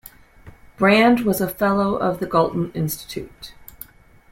Brand was a Fellow of the Galton Institute.